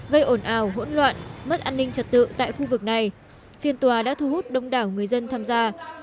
gây ồn ào hỗn loạn mất an ninh trật tự tại khu vực này phiên tòa đã thu hút đông đảo người dân tham gia